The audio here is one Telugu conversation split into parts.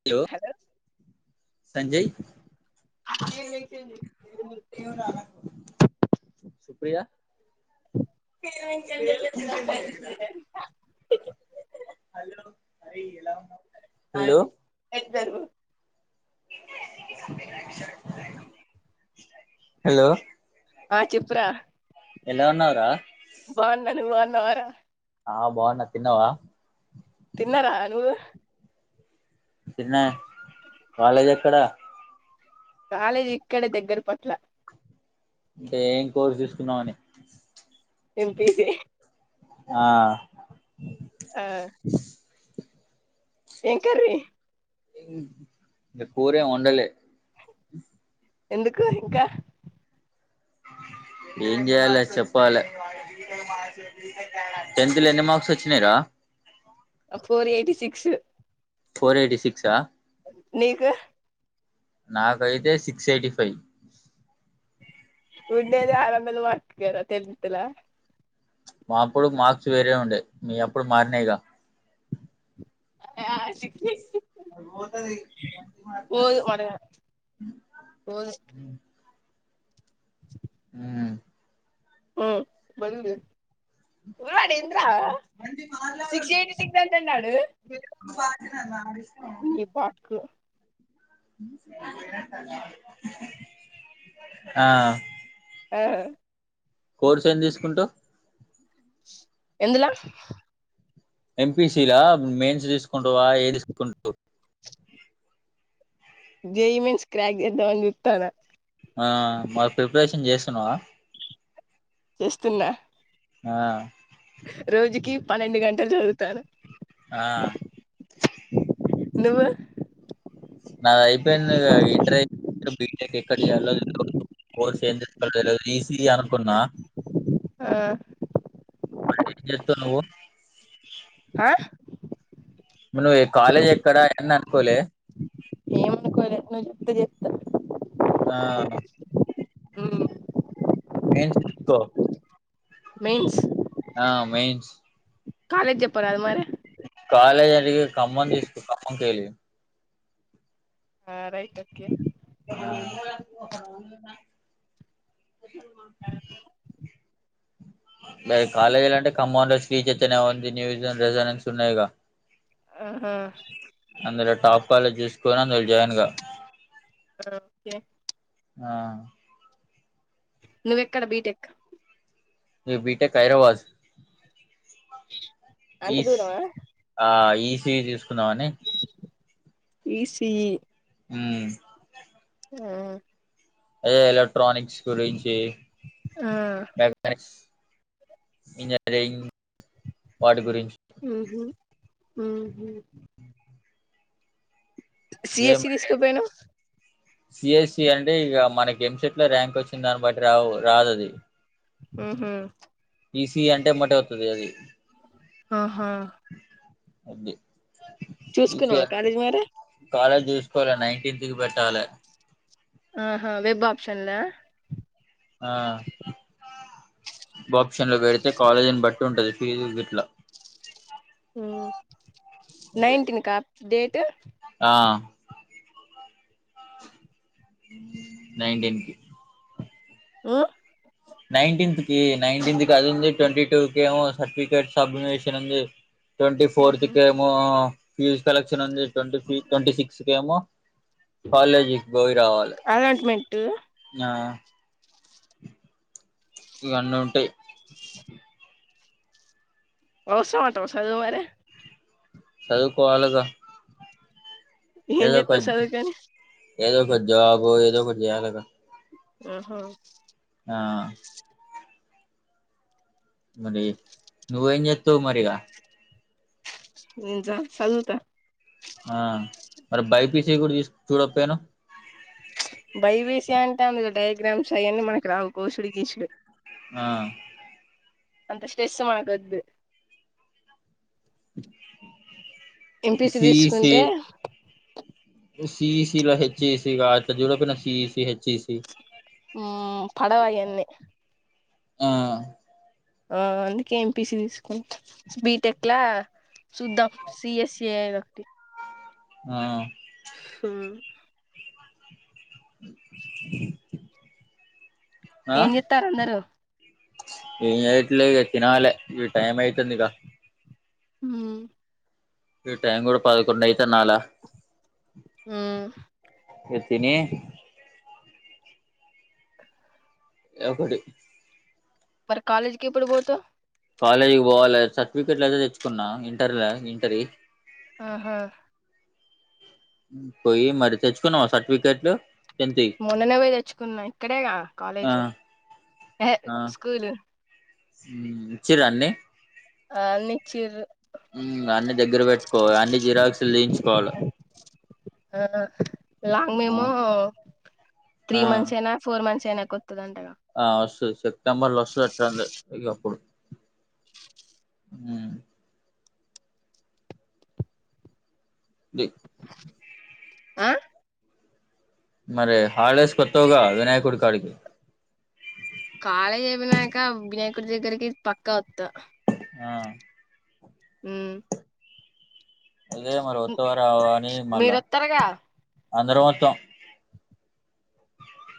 హిలో హలో సంజయ్ యే నయ్ సంజయ్ సుప్రియా [inaudible] హలో హలో ఆ చెప్పురా ఎలావున్నావురా బాగున్నా నువ్వు బాగున్నావారా ఆ బాగున్న తిన్నవా తిన్నా రా నువ్వు తిన్న కాలేజెక్కడ కాలేజ్ ఇక్కడే దగ్గరి పట్ల అంటే ఏం కోర్స్ దీస్కూన్నావని ఎంపీసీ ఆ ఆ ఏం కర్రీ కూరేం ఒండలే ఎందుకూ ఇంకా ఏం చేయ్యాలే చె ప్పాలే టెన్త్ లో ఎన్ని మార్క్స్ ఒచ్చినైరా four eighty six four eighty six ఆ నీకు నాకైతే సిక్స్ ఎయిటీ ఫైవ్ ఉండేదె ఆరు వందల మార్క్ కేకథ టెన్ంత్ ల మా అప్పుడు మార్క్స్ వేరే ఉండే మీ అప్పుడు మారినైగా య షి ఆ మూతదియ్ పోదు మన పోదు మ్ ఆ బాగుందే వాడ్ఎడెన్ద్ర సిక్స్ ఎయిటీ సిక్స్ అంటాండ్ అడు వాడి ఇష్టం ఇపట్కు ఆ ఆ కోర్సేం దీస్కుంటావ్ ఎందుల ఎంపీసీల మెయిన్స్ దీస్కుంటావా ఏదిస్కుంటావ్ జెయీ మీన్స్ క్రాక్ జేద్దామన్ జుత్తాన్న ఆ మర్ ప్రిప్రేషన్ జేస్తున్నవా చేస్తున్నా ఆ రోజుకి పన్నెండు గంటల్ జదువుతాన ఆ నువ్వు నాదైపేందిగా ఇంటర్ ఇపో బీటెక్ ఎక్కడ్ జేయాలో దెలీదు కోర్స్ ఏం దీస్కోల్లో దెల్వద్ ఈసీఈ అననుకున్నా ఆ జేత్తన్నవ్వు హా మళ్ళ్ నువ్వు ఎ కాలేజ్ ఎక్కడ ఎంద్ అన్కోలే అనుకోలే నువ్ జెప్తే జేత్త ఆ మ్మ్ మేన్స్ దిస్కో మెయిన్స్ ఆ మెయిన్స్ కాలేజ్ జొప్ప రాదె మరి కాలేజ్ అది ఖమ్మం దీస్కొ ఖమ్మం కేల్లి ఆ రైట్ ఓకే ఆ లేదు కాలేజ్లంటే ఖమ్మాన్ లో శ్రీ చైతన్య ఉంది న్యూజాన్ రెసిడెన్స్ ఉన్నాయ్ గా ఆ అందులో టాప్ కాలేజ్ జూస్కొన్ అందులో జాయిన్ గా ఓకే ఆ నువ్వెక్కడ బీటెక్ యు బిటేక్ ఐదరబాద్ అంత ఈస్ దూరమా ఆ ఈసీఈ దీస్కుందామని ఈసీఈ ఊ ఆ అదే ఎలక్ట్రానిక్స్ గురించి ఆ ఇంజనీరింగ్ వాటి గురించ్ ఊ హూ ఉ హు ఏమ్ సిఎస్సి మరీ తీసుకుపోయినవ్ సియల్సి అంటే ఇగ మనకి ఎంసెట్ లో ర్యాంకొచ్చిందాన్ బట్టి రావు రాదది ఊహూ ఈసీఇ అంటే ఎమ్మటే ఒత్తది అదీ ఆహా అది ఇంకే చూసుకున్నావా కాలేజ్ మరి కాలేజ్ చూసుకోలే నైన్టీన్త్ కి పెట్టాలే ఆహా వెబ్ ఆప్షన్ల ఆ వెబ్ ఆప్షన్ లో పెడితే కాలేజీని బట్టి ఉంటది ఫీజులు గిట్లా హమ్ నైన్టీన్కా డేట్ ఆ నైన్టీన్ కి ఆ నైన్టీన్త్కి నైన్టీన్త్కి అది ఉంది ట్వంటీ టూ కేమో సర్టిఫికేట్ సబ్మిషన్ ఉంది ట్వంటీ ఊహూ ఫోర్త్కి ఏమో ఫీజ్ కలెక్షన్ ఉంది ట్వంటీ ఫీ ట్వంటీ సిక్స్ కి ఏమో కాలేజీకి పోయి రావాలే అలాట్మెంట్ ఆ ఇవన్ని ఉంటయి అవసరం అంటావా సదువు మరి సదువుకోవాలిగా ఏం ఏదో చెత్తవ్ ఒకట్ చదువుకని ఏదోక జాబ్ ఏదో ఒకట్ చేయాలిగా ఆహా ఆ మరి నువ్వు ఏం చేత్తవ్ మరిగా నేన్ జాబ్ చదువుత ఆ మరి బైపీసి కూడా తీసు చూడపోయానవ్ బైపీసి అంటే అందుల డయాగ్రామ్స్ అయన్నీ మనకు రావు కోసుడు గీసుడు ఆ అంత స్టెస్సు మనకొద్దు ఎంపీసి తీసుకుంటే సిఇసిలో హెచ్చిసిగా అట్లా చూడపోయినావ్ సిఇసి హెచ్చిసి ఉ పడవు అయన్ని ఆ ఆ అందుకే ఎంపీసి తీసుకున్ బీటెక్ లా చూద్దం సిఎస్సి ఏదో ఒకటి ఆ హూ ఆ ఏం చేత్తారు అందరు ఏం చేయట్లే ఇగ తినాలే ఇగ టైం అయితిందిగ హమ్ ఈ టైం కూడా పదకొండు అయితున్నాలా ఉమ్ ఇగ తినీ ఎ ఒకటి మరి కాలేజ్కి ఎప్పుడు బోతవ్ కాలేజీకి పోవాలే సర్టిఫికెట్లు అయితే తెచ్చుకున్నా ఇంటర ఇంటరియి ఆహా పోయి మరి తెచ్చుకున్నావా సర్టిఫికెట్లు టెన్త్వి మొన్ననేపోయి తెచ్చుకున్నా ఇక్కడే గ ఆ కాలేజ్ ఎహె స్కూల్ ఉమ్ ఇచ్చిరా అన్ని ఆ అన్నిచ్చీరు ఉమ్ అన్ని దగ్గర పెట్టుకో అన్ని జిరాక్సులు దియించుకోవాల ఆ లాంగ్ ఆ మెమో ఆ త్రీ మంత్స్ ఏనా ఫోర్ మంత్స్ అయినాక వొత్తది అంటగా ఆ వస్తదివస్తది సెప్టెంబర్ లో వస్తది అట్ంది ఇగప్పుడు డి ఆ మరి హాలిడేస్ కి వత్తవుగా వినాయకుడికాడికి కాలేజ్ అయిపోయినాక వినయకుడి దగ్గరికి పక్కా వత్తా ఆ ఉమ్ అదే మరి ఒత్తవ రావ అని మీరు మళ్ళా వత్తారుగా అందరం ఒత్తం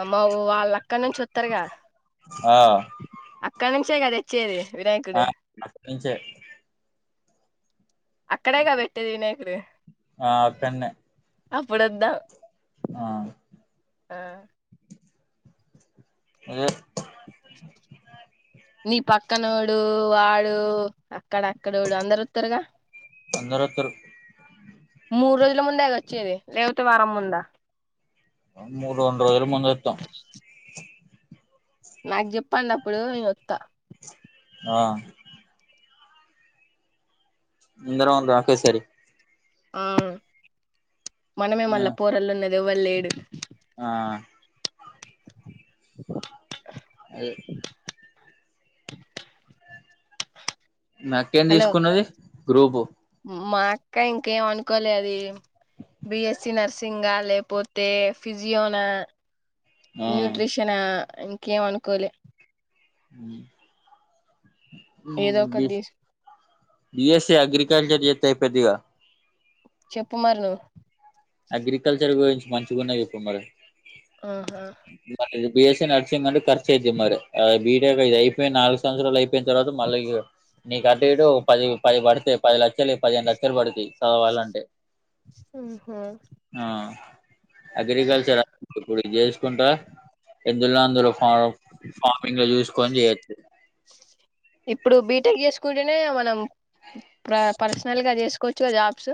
అమ్మవో వాళ్ళ అక్కడ నుంచి వత్తారుగా ఆ అక్కడ నుంచే కద తేచ్చేది వినాయకుడు అటు నుంచే అక్కడేగా పెట్టేది వినాయకుడు ఆ అక్కడనే అప్పుడు వద్దాం ఆ ఆ ఆదే నీ పక్కనోడు వాడు అక్కడ అక్కడోడు అందరు వత్తారుగా అందరు వత్తరు మూడు రోజుల ముందేగ వచ్చేది లేకపోతే వారం ముందా మూడు రెండు రోజుల ముందు వస్తాం నాక్ చెప్పండి అప్పుడు నేనోత్త ఆ అందర [unintelligible] అకే సరి ఆ మనమే ఆ మళ్ళా పోరలు ఉన్నది ఎవ్వరలేడు ఆ అదే మీ అక్కేం హలో తీసుకున్నది గ్రూపు మా అక్క ఇంకేం అనుకోలే అది బిఎస్సి నర్సింగ్గా లేపోతే ఫిజియోనా ఆ న్యూట్రిషనా అ ఇంకేం అనుకోలే ఉమ్ ఏదో ఉమ్ ఒకటి బిస్ తీస్ బిఎస్సీ అగ్రికల్చర్ చెత్తే అయిపోద్ది గ చెప్పు మరి నువ్వు అగ్రికల్చర్ గురించి మంచిగున్నవి చెప్పు మరి ఆహా మరి బిఎస్సీ నర్సింగ్ అండి ఖర్చు అయితయి మరి బిటేక్ ఇది అయిపోయి నాలుగు సంవత్సరాలు అయిపోయి తరువాత మళ్ళ ఇగో నీకు అటు ఇటు పది పది పడతాయి పది లక్షలు పదిహేను లక్షలు పడతాయి చదవాల అంటే ఆహా. ఆ అగ్రికల్చర్ ఇప్పుడు ఇది చేసుకుంటా ఎందుల్ నో అందుల. అవ్ ఫార్మింగ్ లో చూసుకొని చేయొచ్చు. ఇప్పుడు బీటెక్ చేసుకుంటేనే మనం ప్ర ర్సనల్ గా చేసుకోవోచ్చు గ జాబ్స్.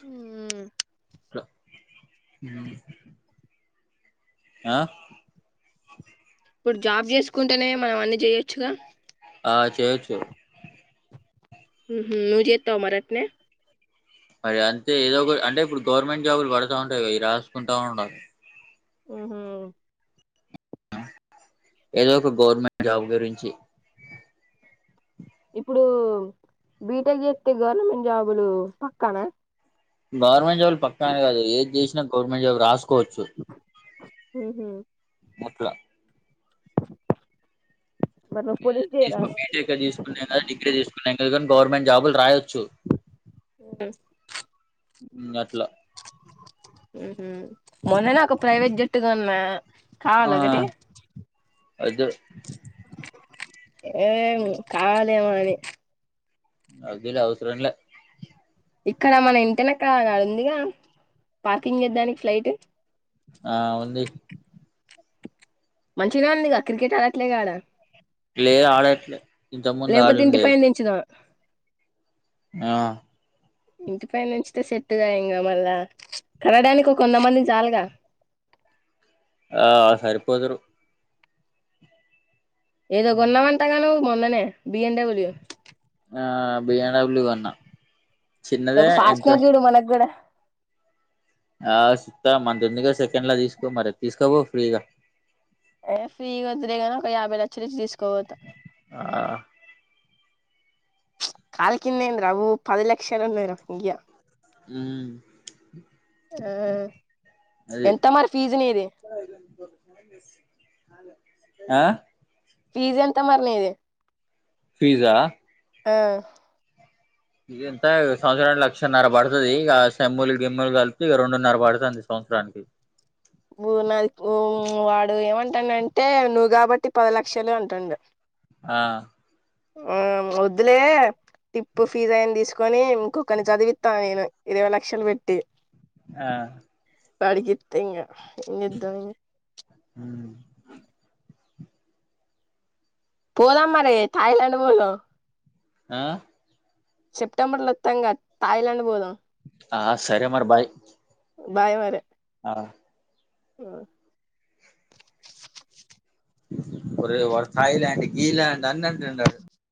హుమ్. ట్ర ఉమ్. ఆ. ఇప్పుడు జాబ్ చేసుకుంటేనే మనం అన్ని చేయొచ్చుగ. ఆ చెయ్యొచ్చు. ఉమ్ నువు జేత్తావా మరి అట్నే. మరి అంతే ఏదో ఒక అంటే ఇప్పుడు గవర్నమెంట్ జాబులు పడుతా ఉంటాయి గా ఇ రాసుకుంటా ఉండాలి. ఉహు. ఏదో ఒక గవర్నమెంట్ జాబ్ గురించి. ఇప్పుడు బీటెక్ చేత్తే గవర్నమెంట్ జాబులు పక్కన. గవర్నమెంట్ జాబ్లు పక్క అని గాదు ఏది చేసినా గవర్మెంట్ జాబ్ రాసుకోవోచ్చు. ఉహు. మట్లా. మరి నువ్వు పోలీస్ చేయరా బీటెక్ ఏ తీసుకున డిగ్రీ చేసుకున ఎం గది గానీ గవర్నమెంట్ జాబులు రాయొచ్చు. ఆ. గాట్లా. ఉహు మొన్ననే ఒక ప్రైవేట్ జట్టు గోన్నా. ఆ వొద్దు. ఎం కావాలేమో అని. వొద్దులే అవసరం లె. ఇక్కడ మన ఇంటనేక అది ఉందిగా పార్కింగ్ చేద్దానికి ఫ్లైట్. ఆ ఉంది. మంచిగానె ఉంది గ క్రికెట్ అడట్లేగా ఆడ. లేదు ఆడట్లే ఇంత ముందు ఆడుండే. తెంచుదా. ఆ. ఇంటిపై నుంచితే సెట్టుగా ఇంగ మళ్ళా కనడానికి ఒక వొంద మంది చాల్ గా. ఆ సరిపోదురు. ఏదో హ్మ్. కొన్నా వంటగా నువ్వు మొన్ననే బిఎన్డబ్ల్యూ. ఆ బిఎన్డబ్ల్యూ కొన్న చిన్నదే ఎంతుం. ను మనక్ గుడా. ఆ సిత్తా ఇస్తా మనది ఉందిగా సెకండ్లా తీసుకో మరి తీసుకోపో ఫ్రీగా. య ఫ్రీగా వొద్దులే గాని ఒక యాభై లక్షలు ఇచ్చి తీసుకోపోతా. ఆ. ప్చ్ కాల్ కింద ఏంద్ర ఓ పది లక్షలున్నాయ్ రా కుయ్య. హుమ్. ఆ అది ఎంత మరి ఫీజు నిది. ఆ. ఫీజ్ ఎంత మరి నిది. ఫీజా. ఆ ఇగ ఎంత సంవత్సరానికి లక్షన్నర పడుతది ఇగ సెమ్ములు గిమ్ములు కలిపి రెండున్నర పడుతుంది సంవత్సరానికి ఓ నాది ఓ వాడిది ఏమంటాండు అంటే నువ్వు కాబట్టి పది లక్షలు అంటుండు ఆ ఆ వొద్దులే టిప్పు ఫీజు అయినది తీసుకొని ఇంకొకని చదివిత్త నేను ఇరవై లక్షలు పెట్టి ఆ వాడికి ఇత్త ఇగ, ఏంచేదము? ఉమ్ పాదము మరి థాయిలాండ్ వొళ్ళు ఆ సెప్టెంబర్ లో వత్తాంగా థాయిలాండ్ పోదాం ఆ సరే మరి బాయ్ బాయ్ మరి ఆ అ ఒరేయ్ వాడు థాయిలాండ్, గిలాండ్ అన్ని అంటుండు.